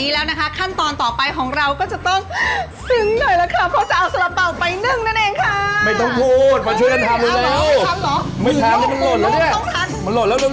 แล้วก็วางปึ้ม